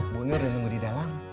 bu nur udah nunggu di dalam